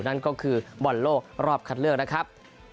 นั่นก็คือบอลโลกรอบคัดเลือกนะครับ